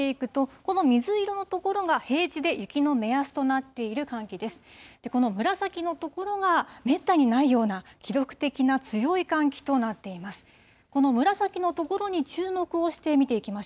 この紫の所が、めったにないような、記録的な強い寒気となっています。